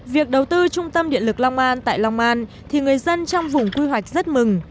việc đầu tư trung tâm điện lực long an tại long an thì người dân trong vùng quy hoạch rất mừng